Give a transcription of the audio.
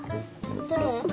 どれ？